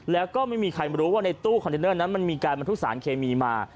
แล้วก็ไม่มีใครรู้ว่าในตู้คอนเทนเนอร์นั้นมันมีการบรรทุกสารเคมีมา